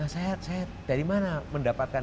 saya dari mana mendapatkan